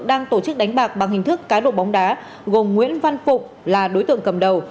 đang tổ chức đánh bạc bằng hình thức cá độ bóng đá gồm nguyễn văn phụng là đối tượng cầm đầu